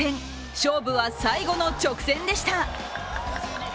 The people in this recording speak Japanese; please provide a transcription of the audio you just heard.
勝負は最後の直線でした。